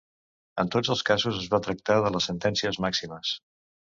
En tots els casos es va tractar de les sentències màximes.